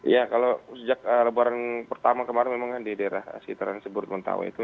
ya kalau sejak lebaran pertama kemarin memang kan di daerah sekitaran sebut mentawa itu